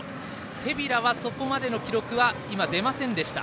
手平はそこまでの記録は今、出ませんでした。